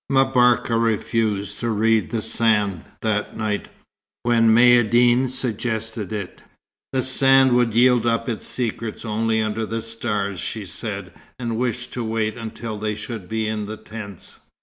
M'Barka refused to "read the sand" that night, when Maïeddine suggested it. The sand would yield up its secrets only under the stars, she said, and wished to wait until they should be in the tents.